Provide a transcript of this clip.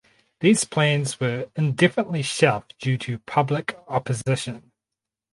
These plans were indefinitely shelved due to public opposition.